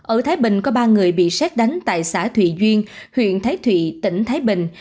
ở thái bình có ba người bị xét đánh tại xã thụy duyên huyện thái thụy tỉnh thái bình